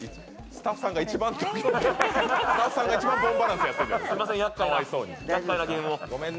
スタッフさんが一番「ボンバランス」やってるやん。